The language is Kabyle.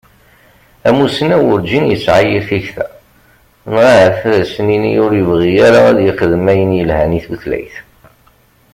Amussnaw urǧin yesƐa yir tikta, neɣ ahat ad as-nini ur yebɣi ara ad yexdem ayen yelhan i tutlayt.